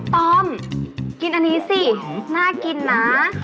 ต้อมกินอันนี้สิน่ากินนะ